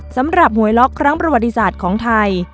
สำหรับหวยล็อกครั้งประวัติศาสตร์ของไทย